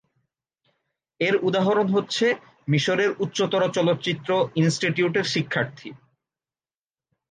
এর উদাহরণ হচ্ছে মিশরের উচ্চতর চলচ্চিত্র ইনস্টিটিউটের শিক্ষার্থী।